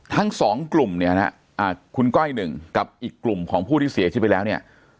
ทั้งสองกลุ่มเนี่ยนะคุณก้อยหนึ่งกับอีกกลุ่มของผู้ที่เสียชีวิตไปแล้วเนี่ย